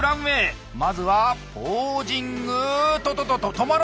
まずはポージングととと止まらない！